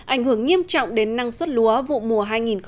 ảnh hưởng nghiêm trọng đến năng suất lúa vụ mùa hai nghìn một mươi tám